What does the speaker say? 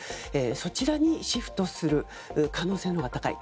そちらにシフトする可能性のほうが高い。